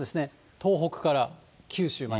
東北から九州まで。